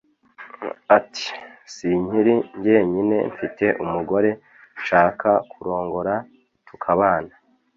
ati “sinkiri njyenyine mfite umugore nshaka kurongora tukabana.